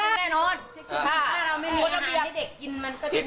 ถ้าเราไม่มีอาหารให้เด็กกินมันก็ดี